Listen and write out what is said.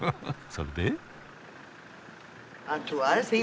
それで？